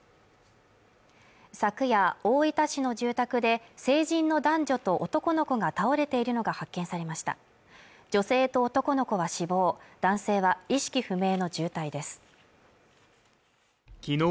昨夜、大分市の住宅で成人の男女と男の子が倒れているのが発見されました女性と男の子が死亡男性は意識不明の重体ですきのう